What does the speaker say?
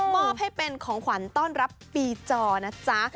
อบให้เป็นของขวัญต้อนรับปีจอนะจ๊ะ